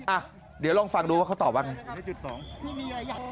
อ่ะเดี๋ยวลองฟังดูว่าเขาตอบว่าไง